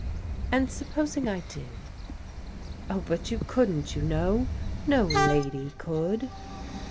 " And supposing I do ?"" Oh, but you couldn't, you know. No lady could."